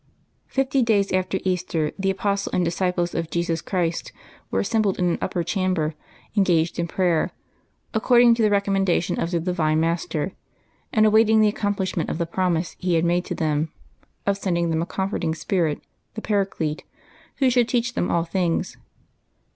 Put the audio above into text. HiFTY days after Easter the apostles and disciples of Jesus Christ were assembled in an upper chamber, engaged in prayer, according to the recommendation of the divine Master, and awaiting the accomplishment of the promise He had made to them, of sending them a Com forting Spirit, the Paraclete, Who should teach them all things.